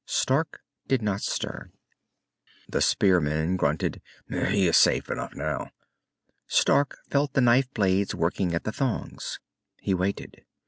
Stark did not stir. The spearman grunted. "He is safe enough now." Stark felt the knife blades working at the thongs. He waited.